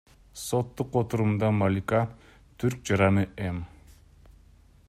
Соттук отурумда Малика түрк жараны М.